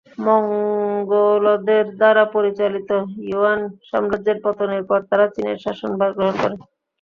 মঙ্গোলদের দ্বারা পরিচালিত ইউয়ান সাম্রাজ্যের পতনের পর তারা চিনের শাসনভার গ্রহণ করে।